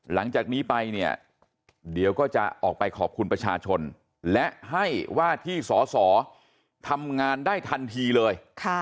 หลังจากนี้ไปเนี่ยเดี๋ยวก็จะออกไปขอบคุณประชาชนและให้ว่าที่สอสอทำงานได้ทันทีเลย